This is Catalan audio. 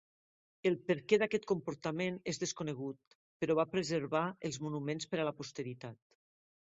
El perquè d'aquest comportament és desconegut, però va preservar els monuments per a la posteritat.